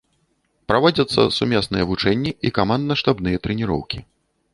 Праводзяцца сумесныя вучэнні і камандна-штабныя трэніроўкі.